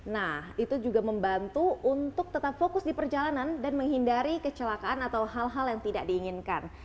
nah itu juga membantu untuk tetap fokus di perjalanan dan menghindari kecelakaan atau hal hal yang tidak diinginkan